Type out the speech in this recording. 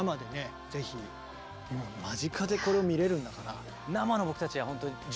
間近でこれを見れるんだから。